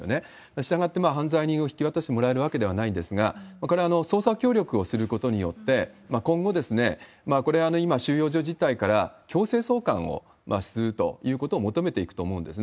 したがって犯罪人を引き渡してもらえるわけではないんですが、これは捜査協力をすることによって、今後、これ、今収容所自体から強制送還をするということを求めていくと思うんですね。